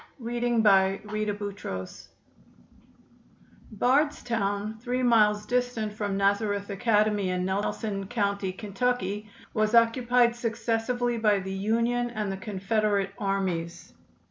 Bardstown, three miles distant from Nazareth Academy, in Nelson County, Ky., was occupied successively by the Union and the Confederate armies.